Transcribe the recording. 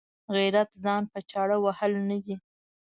غیرت ځان په چاړه وهل نه دي.